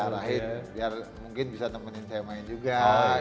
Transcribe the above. biar mungkin bisa temenin saya main juga